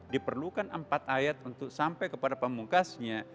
diperlukan empat ayat untuk sampai kepada pemungkasnya